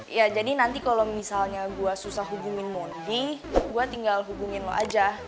iya jadi nanti kalau misalnya gue susah hubungin mondi gue tinggal hubungin lo aja